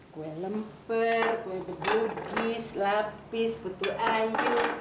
kue lemper kue pedugis lapis putu ayu